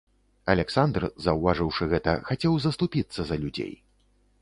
Аляксандр, заўважыўшы гэта, хацеў заступіцца за людзей.